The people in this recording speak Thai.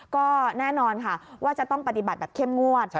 ก็แน่นอนค่ะว่าจะต้องปฏิบัติแบบเข้มงวด